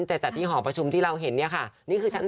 แต่จัดที่หอประชุมที่เราเห็นเนี่ยค่ะนี่คือชั้น๓